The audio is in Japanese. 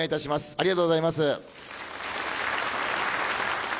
ありがとうございます。